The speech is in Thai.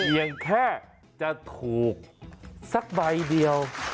ยังแค่จะถูกสักใบเดียว